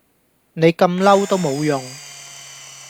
你咁嬲都無用